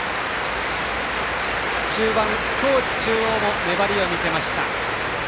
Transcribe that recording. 終盤、高知中央も粘りを見せました。